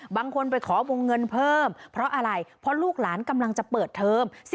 บางคนไปขอวงเงินเพิ่มเพราะอะไรเพราะลูกหลานกำลังจะเปิดเทอม